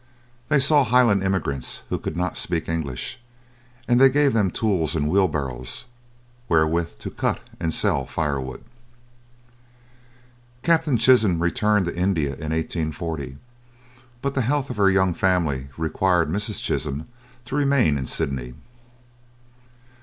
They saw Highland immigrants who could not speak English, and they gave them tools and wheelbarrows wherewith to cut and sell firewood. Captain Chisholm returned to India in 1840, but the health of her young family required Mrs. Chisholm to remain in Sydney.